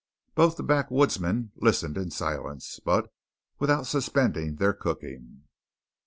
Both the backwoodsmen listened in silence, but without suspending their cooking.